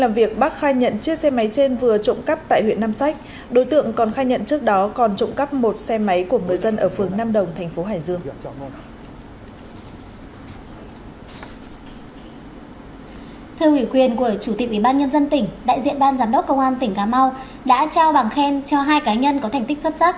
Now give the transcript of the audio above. đại diện ban giám đốc công an tỉnh cà mau đã trao bằng khen cho hai cá nhân có thành tích xuất sắc